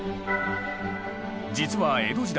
実は江戸時代